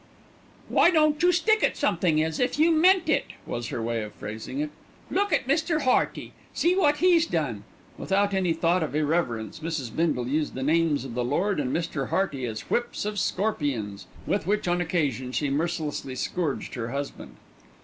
"Why don't you stick at somethin' as if you meant it?" was her way of phrasing it. "Look at Mr. Hearty. See what he's done!" Without any thought of irreverence, Mrs. Bindle used the names of the Lord and Mr. Hearty as whips of scorpions with which on occasion she mercilessly scourged her husband.